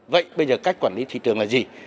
vậy bây giờ cách quản lý thị trường là gì